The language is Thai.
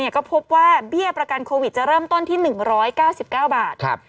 ก็พบว่าเบี้ยประกันโควิดจะเริ่มต้นที่๑๙๙บาท